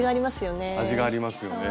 味がありますよね。